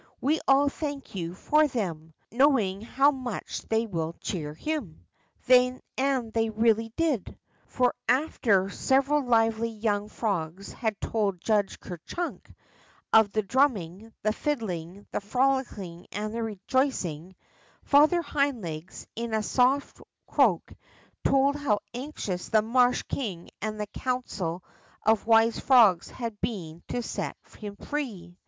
We all thank you for them, know ing how much they will cheer him." And they really did. For after several lively young frogs had told Judge Ker Chunk of the drumming, the fiddling, the frolicking, and rejoic ing, Father Hind Legs, in a soft croak, told how anxious the marsh king and the council of wise frogs had been to set him free.